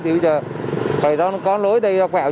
thì bây giờ phải cho nó có lối đi vào